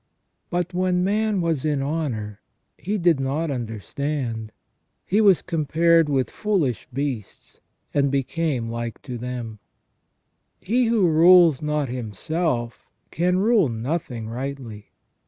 But " when man was in honour, he did not understand ; he was compared with foolish beasts, and became like to them ", He who rules not himself can rule nothing rightly.